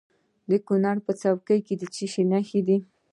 د کونړ په څوکۍ کې د څه شي نښې دي؟